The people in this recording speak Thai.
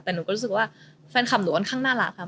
แต่หนูก็รู้สึกว่าแฟนคลับหนูค่อนข้างน่ารักค่ะ